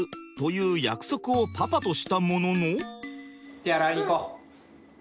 手洗いに行こう。